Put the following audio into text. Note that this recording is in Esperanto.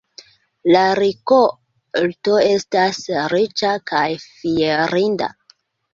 La rikolto estas riĉa kaj fierinda.